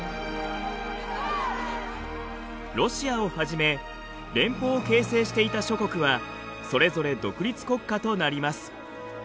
ロシアをはじめ連邦を形成していた諸国はそれぞれ独立国家となります。